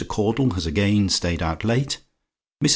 CAUDLE HAS AGAIN STAYED OUT LATE. MRS.